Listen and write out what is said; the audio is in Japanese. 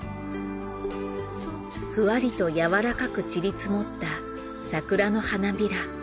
ふわりとやわらかく散り積もった桜の花びら。